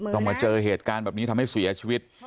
มาเจอเหตุการณ์แบบนี้ทำให้เสียชีวิต